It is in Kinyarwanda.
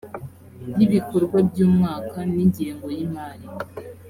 y ibikorwa by umwaka n ingengo y imari